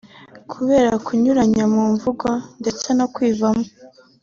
Kubera kunyuranya mu mvugo ndetse no kwivamo